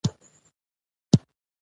ياد سنت ژوندی ساتي